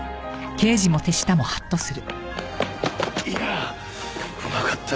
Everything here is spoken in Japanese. いやあうまかった。